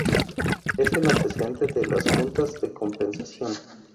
Es el antecedente de las Juntas de Compensación.